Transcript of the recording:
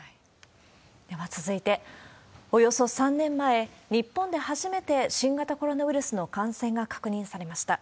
では続いて、およそ３年前、日本で初めて新型コロナウイルスの感染が確認されました。